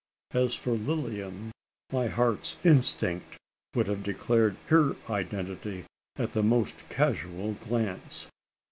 As for Lilian, my heart's instinct would have declared her identity at the most casual glance.